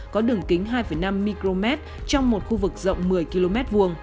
có đường kính hai năm micromet trong một khu vực rộng một mươi km hai